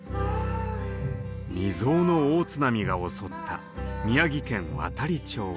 未曽有の大津波が襲った宮城県亘理町。